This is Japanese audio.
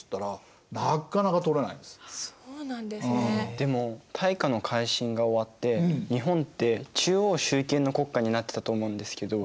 でも大化の改新が終わって日本って中央集権の国家になってたと思うんですけど。